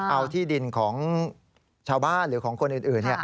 เอาที่ดินของชาวบ้านหรือของคนอื่น